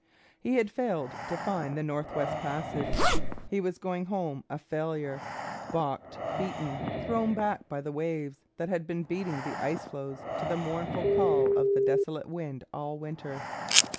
He had failed to find the North West Passage. He was going home a failure, balked, beaten, thrown back by the waves that had been beating the icefloes to the mournful call of the desolate wind all winter.